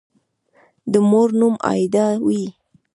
د مور نوم «آیدا» وي